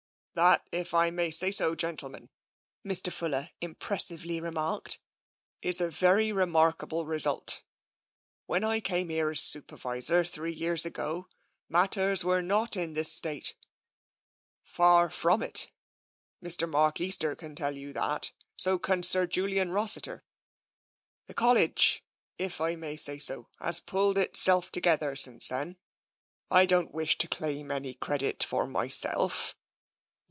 " That, if I may say so, gentlemen," Mr. Fuller im pressively remarked, " is a very remarkable result. When I came here as Supervisor, three years ago, mat ters were not in this state. Far from it. Mr. Mark Easter here can tell you that, so can Sir Julian Ros siter. The College, if I may say so, has pulled itself together since then. I don't wish to claim any credit for myself."